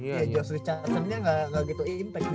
iya josh richardsonnya gak gitu impact